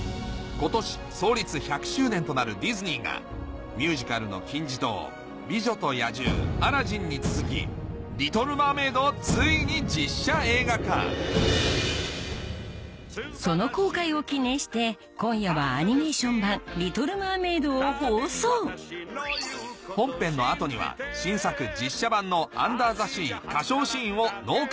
今年創立１００周年となるディズニーがミュージカルの金字塔『美女と野獣』『アラジン』に続き『リトル・マーメイド』をついに実写映画化その公開を記念して今夜はアニメーション版『リトル・マーメイド』を放送本編の後には新作ワオ！